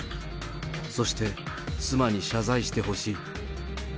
そして、妻に謝罪してほしい。